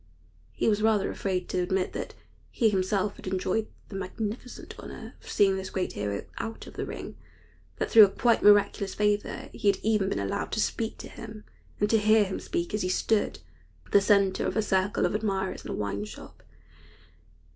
He was rather afraid to admit that he himself had enjoyed the magnificent honor of seeing this great hero out of the ring; that through a quite miraculous favor he had even been allowed to speak to him and to hear him speak as he stood, the centre of a circle of admirers in a wine shop.